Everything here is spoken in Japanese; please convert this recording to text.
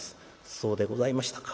「そうでございましたか。